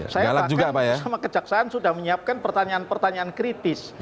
saya bahkan sama kejaksaan sudah menyiapkan pertanyaan pertanyaan kritis